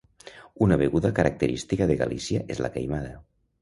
Una beguda característica de Galícia és la queimada.